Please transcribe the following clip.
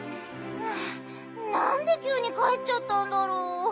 なんできゅうにかえっちゃったんだろう？